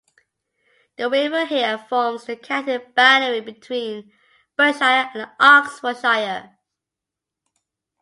The river here forms the county boundary between Berkshire and Oxfordshire.